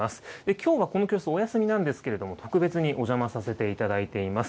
きょうはこの教室、お休みなんですけれども、特別にお邪魔させていただいています。